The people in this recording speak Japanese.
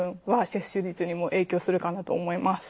接種率にも影響するかなと思います。